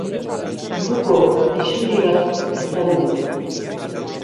Buruko isuri bat izan du.